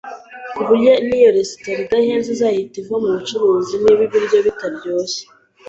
kuburyo niyo resitora idahenze, izahita iva mubucuruzi niba ibiryo bitaryoshye.